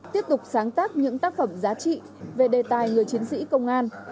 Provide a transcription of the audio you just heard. tiếp tục sáng tác những tác phẩm giá trị về đề tài người chiến sĩ công an